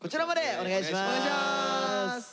お願いします！